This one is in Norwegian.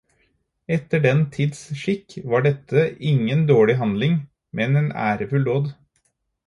Etter den tids skikk var dette ingen dårlig handling, men en ærefull dåd.